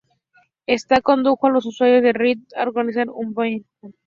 Esto condujo a los usuarios de Reddit a organizar un boicot.